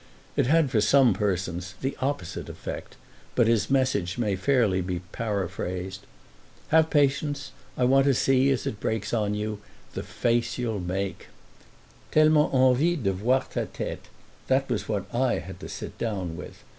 It had for some persons the opposite effect, but his message may fairly be paraphrased. "Have patience; I want to see, as it breaks on you, the face you'll make!" "Tellement envie de voir ta tête!"—that was what I had to sit down with.